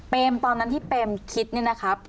เป็นตอนนั้นที่เปมคิดเนี่ยนะครับ